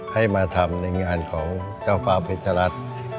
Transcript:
ให้มาทำในงานของเจ้าฟ้าพิจารัฐ